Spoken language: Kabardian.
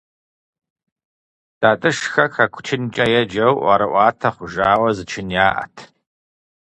ТатӀышхэ «хэку чынкӏэ» еджэу, ӀуэрыӀуатэ хъужауэ зы чын яӀэт.